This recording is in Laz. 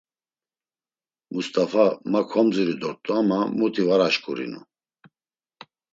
Must̆afa, ma komziru dort̆u ama muti var aşǩurinu.